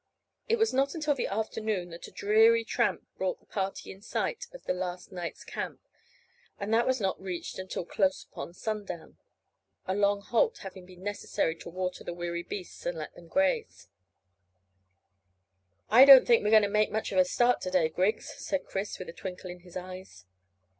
It was not until the afternoon that the dreary tramp back brought the party in sight of their last night's camp, and that was not reached until close upon sundown, a long halt having been necessary to water the weary beasts and let them graze. "I don't think we're going to make much of a start to day, Griggs," said Chris, with a twinkle in his eyes.